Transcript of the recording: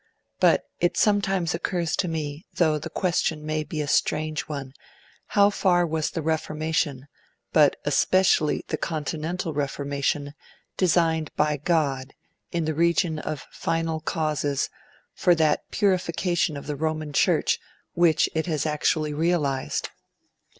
But it sometimes occurs to me, though the question may seem a strange one, how far was the Reformation, but especially the Continental Reformation, designed by God, in the region of final causes, for that purification of the Roman Church which it has actually realised?'